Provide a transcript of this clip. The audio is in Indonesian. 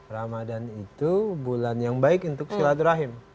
ramadan itu bulan yang baik untuk silaturahim